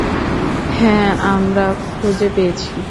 হ্যাঁ, আমরা খুঁজে পেয়েছি।